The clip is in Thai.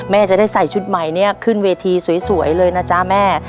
จะได้ใส่ชุดใหม่เนี่ยขึ้นเวทีสวยเลยนะจ๊ะแม่